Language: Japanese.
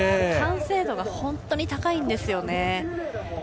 完成度が本当に高いんですよね。